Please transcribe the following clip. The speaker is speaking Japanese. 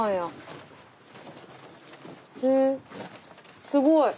へえすごい。